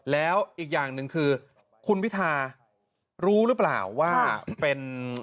แล้วอีกอย่างหนึ่งคือคุณพิธารู้หรือเปล่าว่าเป็น